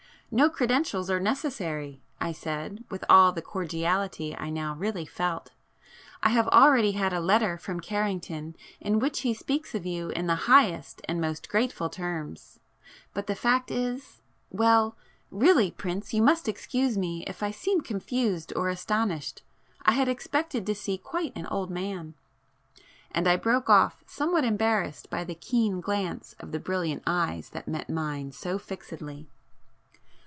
"No credentials are necessary," I said with all the cordiality I now really felt—"I have already had a letter from Carrington in which he speaks of you in the highest and most grateful terms. But the fact is——well!—really, prince, you must excuse me if I seem confused or astonished ... I had expected to see quite an old man ..." And I broke off, somewhat embarrassed by the keen glance of the brilliant eyes that met mine so fixedly.